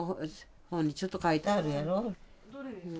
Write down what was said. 本にちょっと書いてあるやろう。